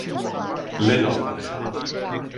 Le donne.